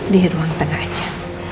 di ruang tengah aja